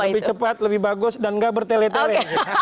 lebih cepat lebih bagus dan nggak bertele tele